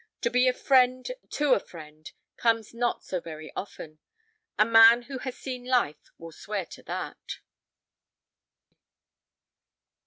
To be a friend to a friend comes not so very often. A man who has seen life will swear to that."